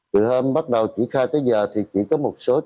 từ hôm bắt đầu triển khai tới giờ thì chỉ có một số trường hợp